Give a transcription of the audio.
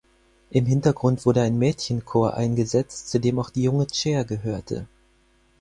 Im Hintergrund wurde ein Mädchenchor eingesetzt, zu dem auch die junge Cher gehörte.